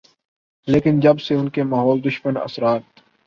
لیکن جب سے ان کے ماحول دشمن اثرات